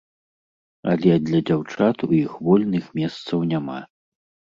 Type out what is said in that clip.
Але для дзяўчат у іх вольных месцаў няма.